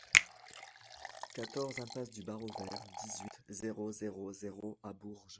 quatorze impasse du Barreau Vert, dix-huit, zéro zéro zéro à Bourges